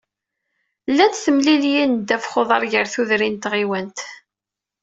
Llant temliliyin n ddabex n uḍar gar udrin n tɣiwant.